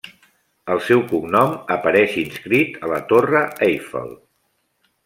El seu cognom apareix inscrit a la Torre Eiffel.